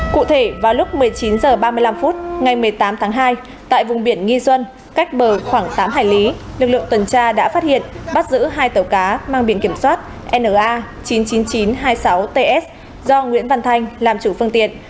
cụ thể vào lúc một mươi chín h ba mươi năm phút ngày một mươi tám tháng hai tại vùng biển nghi duân cách bờ khoảng tám hải lý lực lượng tuần tra đã phát hiện bắt giữ hai tàu cá mang biển kiểm soát na chín mươi chín nghìn chín trăm hai mươi sáu ts do nguyễn văn thanh làm chủ phương tiện